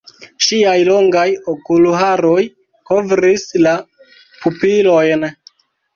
Ŝiaj longaj okulharoj kovris la pupilojn.